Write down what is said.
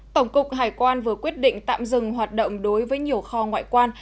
tổng cục hải quan vừa quyết định tạm dừng hoạt động đối với nhiều kho ngoại quan